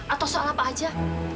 atau soal apa aja